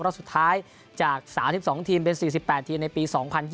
รอบสุดท้ายจาก๓๒ทีมเป็น๔๘ทีมในปี๒๐๒๐